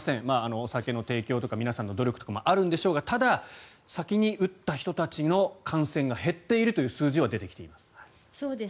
お酒の提供とか皆さんの努力とかもあるんでしょうがただ、先に打った人たちの感染が減っているという数字は出てきています。